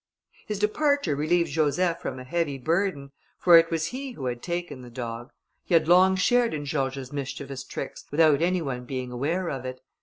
His departure relieved Joseph from a heavy burden, for it was he who had taken the dog. He had long shared in George's mischievous tricks without any one being aware of it.